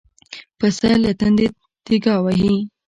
پسه له تندې تيګا وهي.